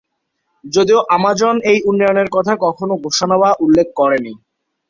যদিও আমাজন এই উন্নয়নের কথা কখনও ঘোষণা বা উল্লেখ করেনি।